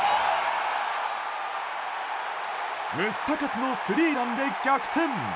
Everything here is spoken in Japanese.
ムスタカスのスリーランで逆転。